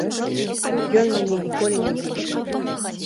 Ён мяне ніколі не біў.